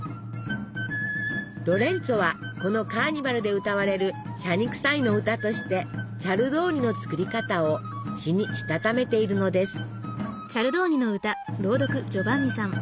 ロレンツォはこのカーニバルで歌われる「謝肉祭の歌」としてチャルドーニの作り方を詩にしたためているのです。